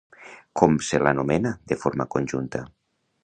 Com se'ls anomena de forma conjunta?